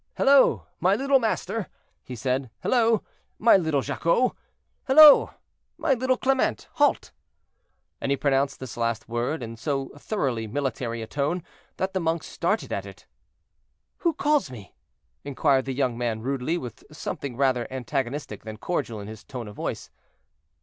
"Hallo! my little master," he said; "hallo! my little Jacquot; hallo! my little Clement. Halt!" And he pronounced this last word in so thoroughly military a tone, that the monk started at it. "Who calls me?" inquired the young man rudely, with something rather antagonistic than cordial in his tone of voice.